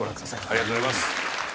ありがとうございます。